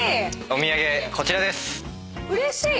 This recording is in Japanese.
お土産こちらです。